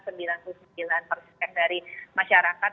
sembilan puluh sembilan persen dari masyarakat